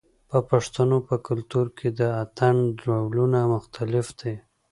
د پښتنو په کلتور کې د اتن ډولونه مختلف دي.